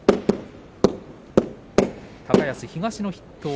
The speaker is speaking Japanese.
高安、東の筆頭。